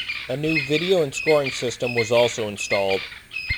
A new video and scoring system was also installed.